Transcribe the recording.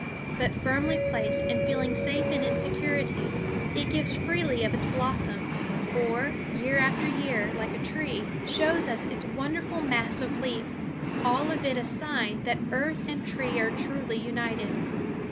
But firmly placed and feeling safe in its security, it gives freely of its blossoms; or, year after year, like a tree, shows us its wonderous mass of leaf, all of it a sign that earth and tree are truely united.